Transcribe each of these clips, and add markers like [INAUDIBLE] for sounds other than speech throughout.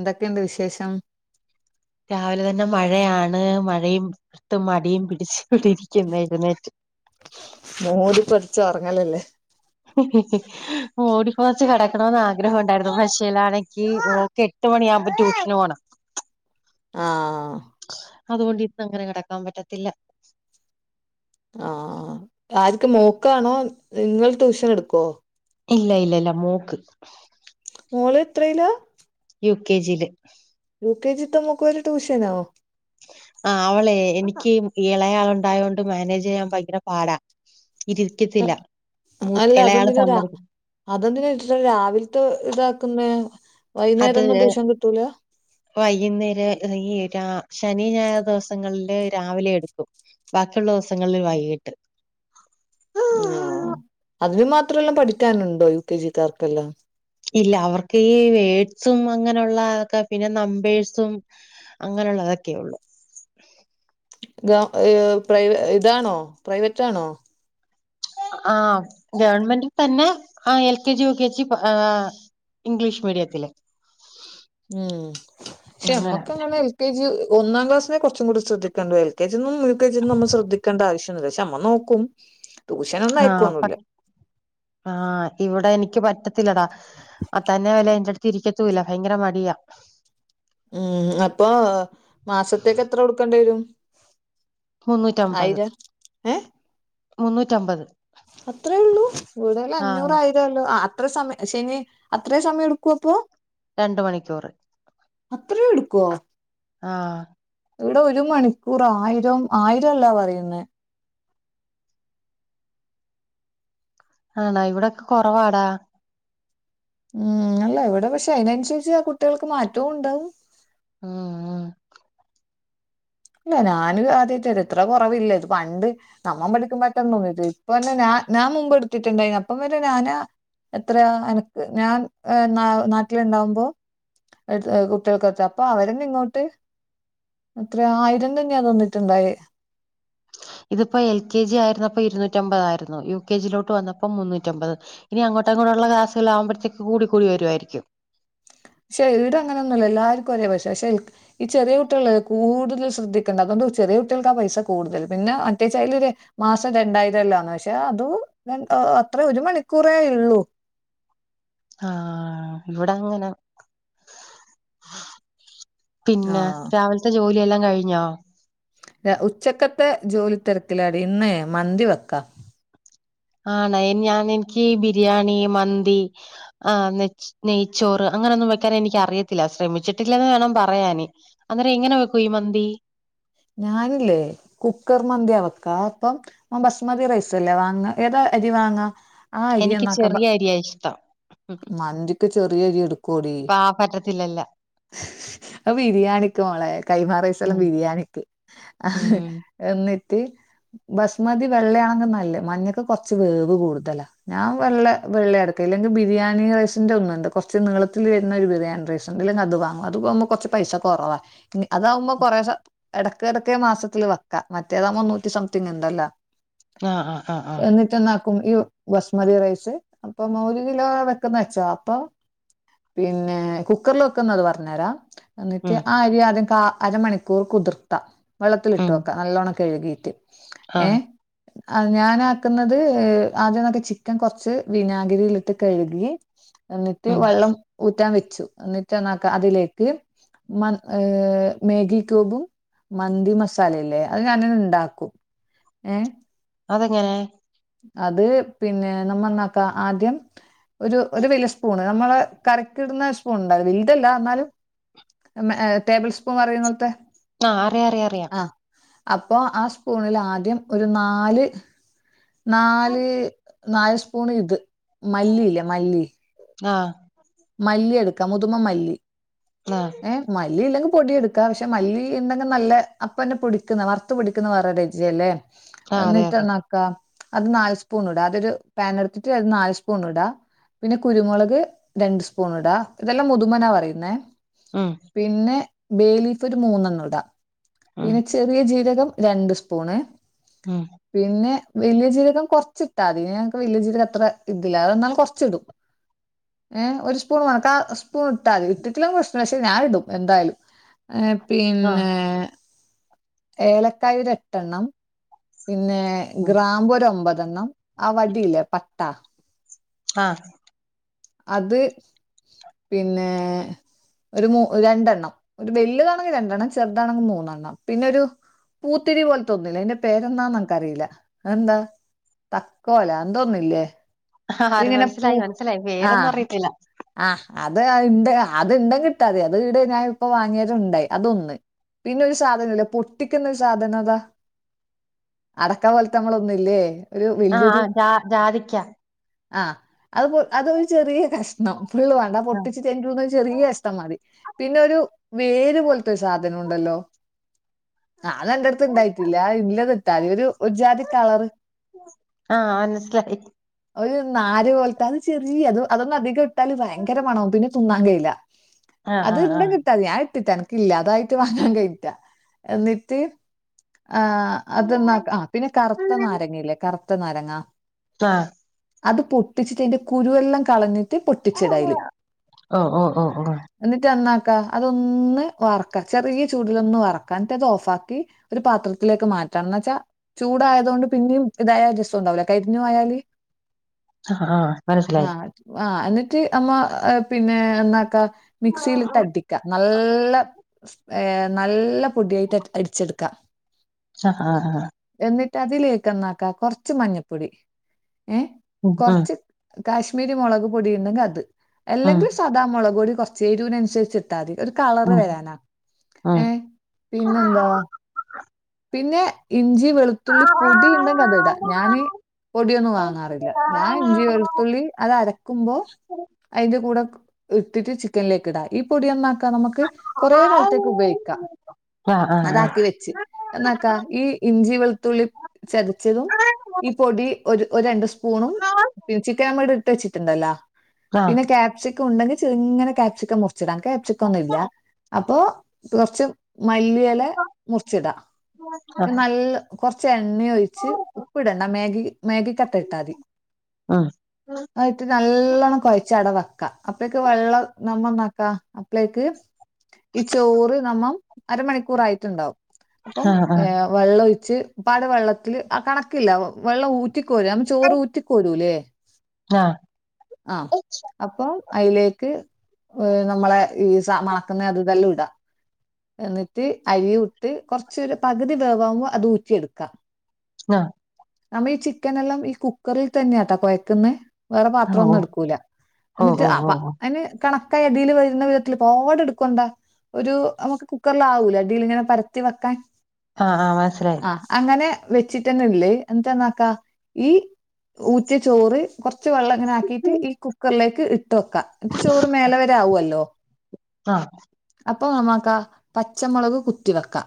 എന്തൊക്കിണ്ട് വിശേഷം? രാവിലെ തന്നെ മഴയാണ്. മഴയും ഇര്ട്ടും മടിയും പിടിച്ചിവിടിരിക്കുന്ന് എഴ്ന്നേറ്റ്. മൂടി പുതച്ച് ഒർങ്ങലല്ലേ. ഹ് ഹ് ഹ് മൂടി പൊതച്ച് കിടക്കണോന്നാഗ്രഹോ ഉണ്ടായിരുന്നു പക്ഷേലാണങ്കി മോക്കെ [UNINTELLIGIBLE] പത്ത് മണിയാവുമ്പോൾ ട്യൂഷന് പോണം. ആഹ് അതുകൊണ്ട് ഇന്നങ്ങനെ കെടക്കാൻ പറ്റത്തില്ല. ആഹ് ആർക്ക് മോക്കാണോ? ഇങ്ങള് ട്യൂഷൻ എടുക്കോ? ഇല്ല ഇല്ല ഇല്ല മോക്ക്. മോള് എത്രയിലാ? U K G. U K G ത്ത മോക്ക് വരെ ട്യൂഷനോ? ആ അവളെ എനിക്ക് ഇളയാള് ഉണ്ടായോണ്ട് മാനേജെയ്യാൻ ഭയങ്കര പാടാ. ഇരിക്കത്തില്ല മൂ ഇളയാള് സമ്മതി അതെന്തിന് രാവിലത്തെ ഇതാക്കുന്നെ വൈന്നേരൊന്നും ട്യൂഷൻ കിട്ടൂല? വൈകുന്നേര ഈ രാ ശനി ഞായർ ദിവസങ്ങളില് രാവിലെ എടുക്കും. ബാക്കിള്ള ദിവസങ്ങളിൽ വൈകീട്ട്. ഓ അതിന് മാത്രെല്ലാം പഠിക്കാനുണ്ടോ യു കെ ജിക്കാർക്കെല്ലാം? ഇല്ല അവർക്ക് ഈ വേഡ്സും അങ്ങനെയുള്ളതക്കെ പിന്നെ നമ്പേഴ്സും. അങ്ങനെള്ളതൊക്കെ ഉള്ളു. ഗവ ഏ പ്രൈവ ഇതാണോ പ്രൈവറ്റാണോ? ആ ഗവൺമെന്റിൽ തന്നെ ആ L K G, U K G. English മീഡിയത്തില്. ം ക്ഷെ അങ്ങനെ ഞമ്മക്കങ്ങനെ. കെ ജി ഒന്നാം ക്ലാസിനെ കുറച്ച് കൂടി ശ്രദ്ധിക്കേണ്ട. എൽ കെ ജി എന്നും യു കെ ജി എന്നും നമ്മ ശ്രദ്ധിക്കേണ്ട ആവശ്യന്നില്ല. പക്ഷെ നമ്മ നോക്കും. [INAUDIBLE] ആ പ അയക്കൊന്നുല്ല ആഹ് ഇവിടെ എനിക്ക് പറ്റ ത്തില്ലടാ. അതന്നെ വല്ല എന്റ ട്ത്ത് ഇരിക്കത്തൂല്ല ഭയങ്കര മടിയാ. ഉം അപ്പൊ മാസത്തേക്ക് എത്ര കൊടുക്കേണ്ടിരും. മുന്നൂറ്റമ്പത് ഏ മുന്നൂറ്റമ്പത്. അത്രേ ഉള്ളൂ ഇവിടെയെല്ലാം ആഹ് അഞ്ഞൂറായി. അല്ലോ, അത്ര സമയം ശനി അത്രേ സമയം എടുക്കും അപ്പോ? രണ്ട് മണിക്കൂറ്. അത്രേം എടുക്കോ? ആഹ് ഇവിടെ ഒരു മണിക്കൂർ ആയിരം ആയിരൊല്ലാ പറയുന്നേ. ആണാ ഇവിടെക്കെ കൊറവാടാ. ഉം അല്ല ഇവിടെ പക്ഷെ അയിനനുസരിച്ച് കുട്ടികൾക്ക് മാറ്റോണ്ട്. അ് ഇല്ല ഞാന് ആദ്യായിട്ടാ ഇത് ഇത്ര കുറവില്ല ഇത് പണ്ട് നമ്മ പഠിക്കുംമ്പൊഴ്ത്തൊന്നും [UNINTELLIGIBLE] ഒരു ഇപ്പന്നെ ഞാ ഞാൻ മുമ്പ് എടുത്തിട്ടുണ്ടായിരുന്നു അപ്പം വരെ ഞാനാ എത്രയാ എനക്ക് ഞാൻ ന നാട്ടിലുണ്ടാവുമ്പോ [UNINTELLIGIBLE] എടുത്ത് ആഹ് കുട്ടികൾക്കൊത്തെ അപ്പൊ അവരന്നെ ഇങ്ങോട്ട് ത്രേം ആയിരം തന്നെയാ തന്നിട്ടുണ്ടായേ ഇതിപ്പോ എൽ കെ ജി ആയിരുന്നപ്പോ ഇരുന്നൂറ്റമ്പതായിരുന്നു യു കെ ജിയിലോട്ട് വന്നപ്പോ മുന്നൂറ്റമ്പത്. ഇനി അങ്ങോട്ടേകൂടെള്ള ക്ലാസുകൾ ആവുമ്പോഴത്തേക്ക്‌ കൂടി കൂടി വരുവായിരിക്കും. ഈടെ അങ്ങനൊന്നുല്ല എല്ലാര്ക്കും ഒരേ പശെ പശെ ൽക് ഈ ചെറിയ കുട്ടികള് കൂടുതൽ ശ്രദ്ധിക്കേണ്ടേ അതുകൊണ്ട് ചെറ്യെ കുട്ടികൾക്കാ പൈസ കൂടുതൽ. പിന്നെ മറ്റേച്ചായി ലൊര് മാസം രണ്ടായിരം എല്ലാന്ന് പക്ഷെ അതും എത്രേ ഒരു മണിക്കൂറേ ഉള്ളൂ. ആഹ് ഇവിടെ അങ്ങനെ പിന്നെ ആഹ് രാവിലത്തെ ജോലിയെല്ലാം കഴിഞ്ഞോ ഉച്ചക്കത്തെ ജോലി തിരക്കിലാടി ഇന്ന് മന്തി വെക്ക ആണ് അയിന് ഞാനെനിക്ക് ബിരിയാണി മന്തി ആഹ് നച് നെയ്ച്ചോറ് അങ്ങനെയൊന്നും വെക്കാൻ എനിക്കറിയത്തില്ല ശ്രമിച്ചിട്ടില്ലന്ന് വേണം പറയാന്. അന്നേരം എങ്ങനവെക്കും ഈ മന്തി ഞാനില്ലേ കുക്കർ മന്തിയാ വെക്കാ അപ്പം ആ ബസ്മതി റൈസ് അല്ലേ വാങ്ങ ഏതാ അരി വാങ്ങ ആ അരി എനിക്ക് എന്നാക്കമ്പ ചെറിയ അരിയാ ഇഷ്ടം ഉം മന്തിക്ക് ചെറിയ അരി എടുക്കുടി പാ പറ്റത്തില്ലല്ല അത് ബിരിയാണിക്ക് മോളെ കൈമാ റൈസെല്ലാം ഉം ബിരിയാണിക്ക് ക്ക്‌ ആഹ് ഉം എന്നിട്ട് ബസ്മതി വെള്ളയാണെങ്കിൽ നല്ലത് മഞ്ഞക്ക്‌ കൊറച്ച് വേവ് കൂടുതലാ ഞാൻ വെള്ള വെള്ളയാട്ക്ക ഇല്ലെങ്കിൽ ബിരിയാണി റൈസിന്റെ ഒന്നുണ്ട് കുറച്ച് നീളത്തില് വരുന്ന ഒരു ബിരിയാണി റൈസ് സ്ണ്ട് അല്ലെങ്കിൽ അത് വാങ്ങും അത് ആവുമ്പ കുറച്ച് പൈസ കൊറവാ പിന്ന അതാവുമ്പോ കുറേ ഇടയ്ക്കടയ്ക്ക്‌ മാസത്തില് വെക്കാ മറ്റേതാവുമ്പോ നൂറ്റി സംതിങ് ഉണ്ടല്ലോ ആഹ് ആഹ് ആഹ് ആഹ് എന്നിട്ട് എന്നാക്കും ഇ ബസ്മതി റൈസ് അപ്പം ഒരു കിലോ ആ വെക്കുന്ന വെച്ചോ അപ്പൊ പിന്നെ കുക്കറിൽ വെക്കുന്നത് പറഞ്ഞരാം എന്നിട്ട് ഉം ആ അരി ആദ്യം കാ അരമണിക്കൂർ കുതിർത്താ വെള്ളത്തിലിട്ട് ഉം വെക്കാ നല്ലോണം കഴുകിയിട്ട് ആഹ് ഏഹ് അത് ഞാനാക്കുന്നത് ആദ്യെന്നൊക്കെ ചിക്കൻ കൊറച്ച് വിനാഗിരിയിലിട്ട് കഴുകി എന്നിട്ട് ഉം വെള്ളം ഊറ്റാൻ വെച്ചു എന്നിട്ടന്നാക്ക അതിലേക്ക് മ ഏഹ് മേഗി ക്യൂബും മന്തി മസാലല്ലേ അത് ഞാനങ്ങ് ഉണ്ടാക്കും ഏഹ് അതെങ്ങനെ അത് പിന്നെ നമ്മ എന്നാക്ക ആദ്യം ഒരു ഒരു വല്യേ സ്പൂണ് നമ്മള് കറിക്കിട്ണ സ്പൂൺ ഉണ്ടാവും വലുതല്ല എന്നാലും ടേബിൾ സ്പൂൺ പറയുന്നോൽത്തെ ആഹ് അറിയാം അറിയാം അറിയാം ആഹ് അപ്പോ ആ സ്പൂണിൽ ആദ്യം ഒരു നാല് ആഹ് നാല് നാല് സ്പൂണ് ഇത് മല്ലിയില്ലേ മല്ലി ആഹ് മല്ലിയെടുക്കാ മുതുമ മല്ലി ആഹ് ഏ മല്ലി ഇല്ലെങ്കിൽ പൊടി എടുക്കാ പക്ഷെ മല്ലി ഇണ്ടെങ്കിൽ നല്ല അപ്പന്നെ പൊടിക്കുന്ന വറുത്ത് പൊടിക്കുന്ന വേറെ രുചിയല്ലേ അതെ അതെ എന്നിട്ടെന്നാ ക്ക അത് നാല് സ്പൂൺ ഇടാ അതൊരു പാൻ എടുത്തിട്ട് അത് നാല് സ്പൂൺ ഇടാ. പിന്നെ കുരുമുളക് രണ്ട് സ്പൂൺ ഇടാ ഇതെല്ലാം മുതുമന പറയുന്നേ ഉം പിന്നെ ബേ ലീഫ് ഒരു മൂന്നെണ്ണം ഇടാ ഉം പിന്നെ ചെറിയ ജീരകം രണ്ട് സ്പൂണ്. ഉം. പിന്നെ വലിയ ജീരകം കുറച്ചിട്ടാതി ഞങ്ങക്ക് വലിയ ജീരകം അത്ര ഇതില്ല അത്‌ എന്നാലും കുറച്ചിടും. ഏഹ് ഒരു സ്പൂൺ മണക്കാ സ്പൂൺ ഇട്ടാ മതി ഇട്ടിട്ടില്ലേ പ്രശ്നം ഇല്ല പക്ഷെ ഞാന് ഇടും എന്തായാലും. ഏഹ് ആഹ് പിന്നെ. ഏലക്കായി ഒരു എട്ടെണ്ണം പിന്നെ ഉം ഗ്രാമ്പു ഒരു ഒമ്പതെണ്ണം ആഹ് വടിയില്ലേ പട്ട. ആഹ്. അത് പിന്നെ ഒരു മൂ രണ്ടെണ്ണം ഒരു വല്ല്യതാണെങ്കിൽ രണ്ടെണ്ണം ചെറുതാണെങ്കിൽ മൂന്നെണ്ണം പിന്നെ ഒരു പൂത്തിരി പോലത്തെ ഒന്നില്ലേ അതിൻ്റെ പേരെന്നാ എനക്കറിയില്ല അത്‌ എന്താ തക്കോല എന്തൊന്നില്ലേ? ആഹ് ആഹ് മനസ്സിലായി മനസ്സിലായി വേറൊന്നും ആഹ് അറിയത്തില്ല. ആഹ് അത് ഇണ്ട് അത് ഉണ്ടെങ്കി ഇട്ടാമതി അത് ഈടെ ഞാൻ ഇപ്പ വാങ്ങിയത് ഉണ്ടായി അതൊന്ന്. പിന്നെരു സാധനല്ലേ പൊട്ടിക്കുന്നൊരു സാധനം അതാ അടക്ക പോലോത്ത ഞമ്മളൊന്നില്ലേ ആഹ് ആഹ് ജാ ജാതിക്ക. ആഹ് അത് അതൊരു ചെറിയ കഷ്ണം ഫുള്ള് വേണ്ട ആഹ് പൊട്ടിച്ചി രണ്ട് മൂന്നു ചെറിയ കഷ്ണം മതി പിന്നെ ഒരു വേര് പോലത്തോരു സാധനം ഉണ്ടല്ലോ. ആഹ് എന്റെ അടുത്ത് ഇണ്ടായിട്ടില്ല ഉള്ളത് ഇട്ടാതി ഒരു ഒരു ജാതി കളറ് ആഹ് അനസിലായി. ഒരു നാര് പോലത്തെ അത് ചെറിയ അത് അതൊന്ന അധികം ഇട്ടാല് ഭയങ്കര മണവും പിന്നെ തിന്നാൻ കഴിയില്ല. ആഹ് അത് ആഹ് ആഹ് ഇണ്ടെങ്കിൽ ഇട്ടാ മതി ഞാൻ ഇട്ടിട്ടാണ് ഇല്ല അതായിട്ട് വാങ്ങാൻ കഴിയില്ല എന്നിട്ട് ആഹ് അതന്നെ ആഹ്. പിന്നെ കറുത്ത നാരങ്ങയില്ലേ കറുത്ത നാരങ്ങ ആഹ്. അത് പൊട്ടിച്ചിട്ട് അയിന്റെ കുരുവെല്ലാം കളഞ്ഞിട്ട് പൊട്ടിച്ചിട അയില്. ഓ ഓ ഓ ഓ എന്നിട്ട് എന്നാക്ക അതൊന്ന് വറക്ക ചെറിയ ചൂടിലൊന്ന് വറക്ക എന്നിട്ട് അത് ഓഫ് ആക്കി ഒരു പാത്രത്തിലേക്ക് മാറ്റണം എന്ന വെച്ചാ ചൂടായത് കൊണ്ട് പിന്നെയും ഇതായ രസം ഉണ്ടാവില്ലോ കരിഞ്ഞു പോയാല് ആഹ് ആഹ് മനസ്സിലായി. ആഹ് എന്നിട്ട് നമ്മ പിന്നെ എന്താക്കാ മിക്സിൽ ഇട്ട് അടി ക്ക നല്ല ഏഹ് നല്ല പൊടിയായിട്ട് അരിച്ചെടുക്കാ ആഹ് ആഹ് ആഹ്. എന്നിട്ട് അതിലേക്ക് എന്നാക്ക കുറച്ച് മഞ്ഞപ്പൊടി ഏഹ് ഉം ഉം കുറച്ച് കാശ്മീരി മുളക് പൊടി ഉണ്ടെങ്കിൽ അത് അല്ലെങ്കിൽ ഉം സാദാ മുളക്പൊടി കുറച്ച് എരുനനുസരിച്ച് ട്ടാ മതി ഒരു കളറ് വരാനാ ഉം ഏഹ് പിന്നെ എന്താ പിന്നെ ഇഞ്ചി വെളുത്തുള്ളി പൊടി ഉണ്ടെങ്കിൽ അത് ഇടാ ഞാന് ഉം പൊടിയൊന്നും ആ വാങ്ങാറില്ല ഞാൻ ആ ഇഞ്ചി വെളുത്തുള്ളി അത് അരക്കുമ്പോ അതിന്റെ കൂടെ ഇട്ടിട്ട് ചിക്കൻലേ ക്കിടാ ഈ പൊടി എന്നാക്ക നമുക്ക് കുറെ ആ ആ കാലത്തേക്ക് ഉപയോഗിക്കാം ഉം ആ ആ അതാക്കി വെച്ച് എന്നാക്കാ ഈ ഇഞ്ചി വെളുത്തുള്ളി ചതച്ചതും ഈ പൊടി ഒരു രണ്ട് സ്പൂണും പിന്നെ ചിക്കൻ നമ്മ ഇവിടെ ഇട്ട് വെച്ചിട്ടുണ്ടല്ല. ആ പിന്നെ ക്യാപ്സിക്കം ഉണ്ടെങ്കിൽ ചെറുങ്ങനെ കാപ്സിക്കം മു റിച്ചിടാം ക്യാപ്സിക്കൊന്നുല്ല അപ്പൊ കുറച്ച് മല്ലിയല മുറിച്ചിടാ നല്ല കൊറച്ച് എണ്ണ ഒഴിച്ച് ഉപ്പിടണ്ട മേഗി മേഗിക്കട്ട ഇട്ടാ മതി അ ഇട്ട് നല്ലോണ്ണം കുഴച്ച അടവ ക്ക അപ്പേക്ക് വെള്ളം നമ്മ ന്നാക്കാ അപ്പ ളേക്ക് ഈ ചോറ് നമ്മ അരമണിക്കൂറായിട്ടുണ്ടാവും അപ്പം വെള്ളൊഴിച്ച് അപാട് വെള്ളത്തില് കണക്കില്ല വെള്ളൂറ്റി കോര നമ്മ ചോറ് ഊറ്റിക്കോരൂലെ [INAUDIBLE] ആഹ് ആഹ് അപ്പൊ അയ്ലേക്ക് ഏഹ് നമ്മളെ ഈ സമാ മണക്കുന്ന അത് ഇതെല്ലാം ഇട എന്നിട്ട് അരിയൂട്ട് കുറച്ചൊരു പകുതി വേവാകുമ്പോൾ അത് ഊറ്റിയെടുക്ക ആഹ് നമ്മ ഈ ചിക്കനെല്ലാം ഈ കുക്കറിൽ തന്നെയാട്ടോ കൊയ്ക്കുന്നെ വേറെ ആ ഓ പാത്രൊന്നും ഇടുക്കൂല ഓ എന്നിട്ട് ഓ അപ്പ ഓ ഓ അയിന് കണക്കായ അദിൽ വരുന്ന വിധത്തിൽ പാട് എടുക്കണ്ടാ ഒരു നമുക്ക് കുക്കറിലാവൂലെ അടീലിങ്ങനെ പരത്തി വെക്കാൻ ആഹ് ആഹ് ആഹ് അങ്ങനെ വെച്ചിട്ടന്ന ഒള്ള് എന്തന്നക്കാ ഈ ഉറ്റിയ ചോറ് കുറച്ച് വെള്ളം ഇങ്ങനേ അക്കിട്ട് ഈ കുക്കറിലേക്ക് ഇട്ട് വെക്കാ എന്നിട് ചോറ് മേലെ വരെ ആവുമല്ലോ ആ അപ്പൊ നമക്കാ പച്ചമുളക് കുത്തി വെക്കാ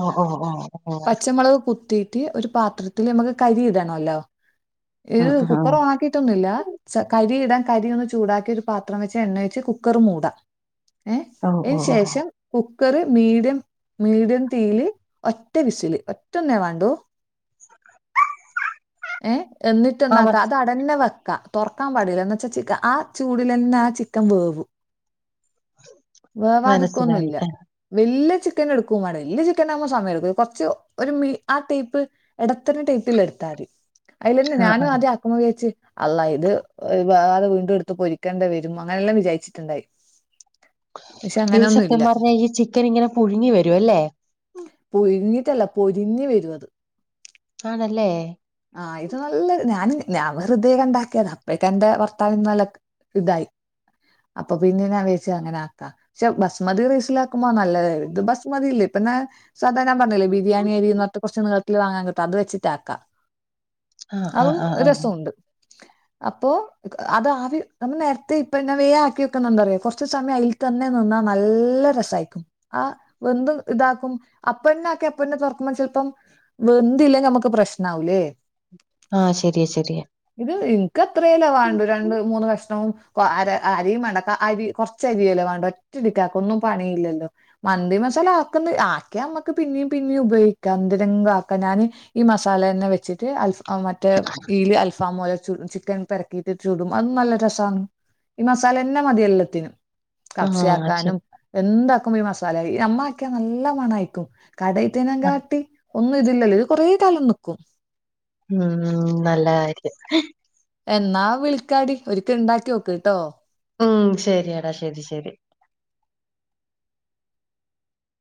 ആഹ് ആഹ് ആഹ് പച്ചമുളക് കുത്തിട്ട് ഒരു പാത്രത്തില് നമ്മുക്ക് കരി ഇടണൊല്ലോ ഉം ഏഹ് ഉം ഉം. കുക്കർ ഓൺ അക്കിയിട്ടൊന്നുല്ല കരിയിടാൻ കരി ഒന്ന് ചൂടാക്കിട്ട് ഒരു പാത്രം വെച്ച് എണ്ണ ഒഴിച് കുക്കർ മൂടാം ഏഹ് ഓ ഓ അതിന് ഓ ശേഷം കുക്കറ് മിഡിയം മീഡിയം തീയില് ഒറ്റ വിസില് ഒറ്റ ന്നേ വേണ്ടു ഏഹ് എന്നിട്ട് ആ എന്താക്ക മനസ് അത് അങ്ങനെ തന്നെ വെക്കാ തുറക്കാൻ പാടില്ലന്ന എന്ന് വച്ചാ ചിക്കൻ ആഹ് ചൂടിലന്നെ ആഹ് ചിക്കൻ വേവു മനസ്സിലായി വേവാതുക്കൊന്നുല്ല ആ വലിയ ചിക്കൻ എടുക്കും വാണം വലിയ ചിക്കൻ ആകുമ്പോ സമയ എടുക്കും കുറച്ച് ഒരു മി ആഹ് ടൈപ്പ് ഇടത്തരം ടൈപ്പിൽ എടുത്ത മതി അതിലന്നെ ആ ആ. ഞാനും ആദ്യം വിചാരിച് അള്ളാ ഇത് വേവതേ വീണ്ടും എടുത്ത് പൊരിക്കേണ്ടവരും അങ്ങനെല്ലാം വിചാരിച്ചിട്ടുണ്ടായി പക്ഷെ ഇത് അങ്ങനെയൊന്നും സത്യം ഇല്ല പറഞ്ഞാൽ ഈ ചിക്കൻ ഇങ്ങനെ പുഴുങ്ങി വരും അല്ലേ പുഴുങ്ങിട്ടല്ല പൊരിഞ്ഞി വരും അത് ആണല്ലേ ആഹ് ഇത് നല്ല ഞാനൻ ഞാൻ വെറുതെയൊണ്ടാക്കിയതാ അപ്പേഴക്കെ എന്റെ ഭർത്താവിന്നല്ല ഇതായി അപ്പൊ പിന്നെ ഞാൻ വിരിച്ച് അങ്ങനെ ആക്ക ബസ് മതി റൈസ് ലാക്കുമ്പോ നല്ലത് ഇത് ബസ്മതിയില്ലേ ഇപ്പ ഞന് സാധ ഞാൻ പറഞ്ഞില്ല ബിരിയാണി അരി എന്നന്ന്ത്തെ കുറച്ച് നിളത്തി വാങ്ങാ കിട്ടു അത് വെച്ചിട്ടാക്കാം ആഹ് ആഹ് അതും ആഹ് ആഹ് രസമുണ്ട് അപ്പൊ അത് ആദ്യം നമ്മൾ നേരത്തെ ഇപ്പൊ വേഗം ആക്കി വെക്കുന്നറിയോ കുറച്ച സമയം അയി യിൽ തന്നെ നിന്നാ നല്ല രസമായിക്കും ആഹ് വെന്തും ഇത്താകും അപ്പന്നെ ആക്കി അപ്പന്നെ തുറക്കുമ്പോ ചെലപ്പം വെന്തില്ലെങ്കി നമുക്ക് പ്രശ്നം ആവുലെ ആഹ് ശരിയാ ശരിയ ഇത് ഇനിക്ക് ഇത്രലെവാണ്ടു രണ്ട് മൂന്ന് കഷ്ണവും അര അരി മാണ്ട അരി കുറ ചെരിയല്ലോ വേണ്ട ഒറ്റ അടിടക്കാക്ക ഒന്നും പണിയില്ലല്ലോ മന്തി മസാല ആക്കുന്ന ആക്കി നമ്മക്ക് പിന്നേും പിന്നേും ഉപയോഗിക്കാം എന്തിനെങ്കിലും ആക്കാം ഞാന് ഈ മസാലന്നെ വെച്ചിട്ട് അൽഫ മറ്റേ ഈൽ അൽഫാം മോലെ ചിക്ക- ചിക്കൻ പിരക്കിയിട്ട് ചൂടും അതും നല്ല രസാണ് ഈ മസാലന്നെ മതി എല്ലാത്തിനും കബ്സ ആഹ് ആക്കാനും ശരി എന്താക്കുമ്പോ ഈ മസാല ഈ നമ്മാക്കിയ നല്ല മണായിക്കും കടയിൽ തേനും കാട്ടി ഒന്നും ഇതില്ലല്ലോ ഇത് കൊറെ കാലം നിൽക്കും. ഉം നല്ല കാര്യം എന്നാ വിളിക്കാടി ഒരിക്കൽ ഉണ്ടാക്കി നോക്ക്‌ കേട്ടോ ഉം ശരിയടാ ശരി ശരി